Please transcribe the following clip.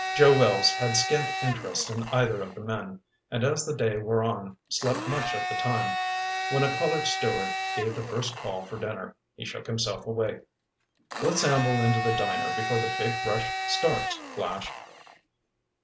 Joe Wells had scant interest in either of the men, and as the day wore on, slept much of the time. When a colored steward gave the first call for dinner, he shook himself awake. "Let's amble into the diner before the big rush starts, Flash."